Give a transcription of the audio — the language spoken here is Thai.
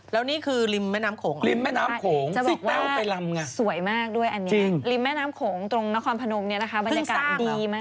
แล้วนี่คือริมแม่น้ำโขงเหรอครับจะบอกว่าสวยมากด้วยอันนี้นะครับริมแม่น้ำโขงตรงนครพนมเนี่ยนะคะบรรยากาศดีมาก